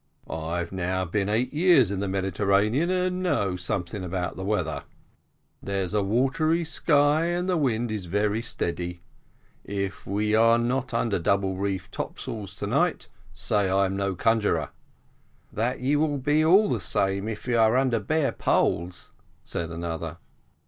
"I've now been eight years in the Mediterranean, and know something about the weather. There's a watery sky, and the wind is very steady. If we are not under double reefed topsails to night, say I'm no conjuror." "That you will be, all the same, if we are under bare poles," said another.